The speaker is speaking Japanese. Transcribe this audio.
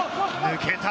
抜けた。